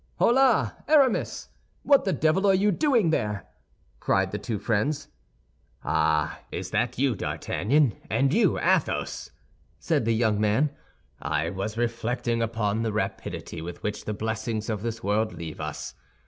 "Holà, Aramis! What the devil are you doing there?" cried the two friends. "Ah, is that you, D'Artagnan, and you, Athos?" said the young man. "I was reflecting upon the rapidity with which the blessings of this world leave us.